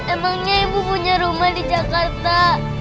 emangnya ibu punya rumah di jakarta